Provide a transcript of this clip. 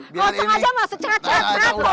kalau sengaja masuk cerah cerah